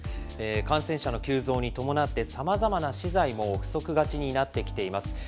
感染者の急増に伴って、さまざまな資材も不足しがちになっています。